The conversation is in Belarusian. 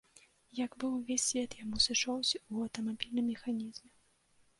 Як бы ўвесь свет яму сышоўся ў аўтамабільным механізме.